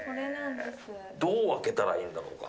どう開けたらいいんだろうか。